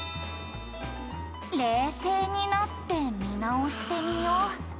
「冷静になって見直してみよう」